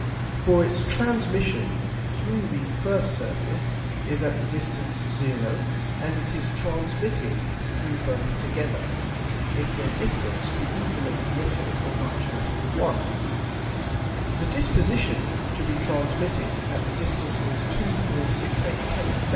(for its transmission through the first Surface, is at the distance 0, and it is transmitted through both together, if their distance be infinitely little or much less than 1) the disposition to be transmitted at the distances 2, 4, 6, 8, 10, &c.